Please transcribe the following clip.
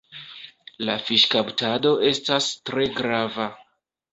La fiŝkaptado estas tre grava.